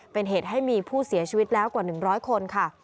เป็นเหตุให้มีผู้เสียชีวิตแล้วกว่า๑๐๐คนค่ะ